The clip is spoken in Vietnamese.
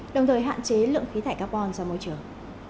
đồng thời hạn chế lượng khí thải carbon ra môi trường